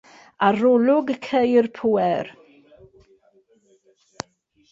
Arolwg Ceir Pŵer.